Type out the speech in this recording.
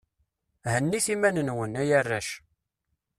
Hennit iman-nwen, ay arrac.